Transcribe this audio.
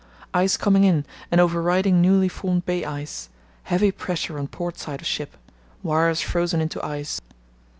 —Ice coming in and overriding newly formed bay ice; heavy pressure on port side of ship; wires frozen into ice.